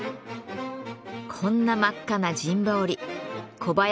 こんな真っ赤な陣羽織。